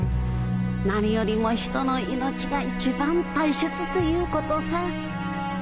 「何よりも人の命が一番大切」ということさぁ。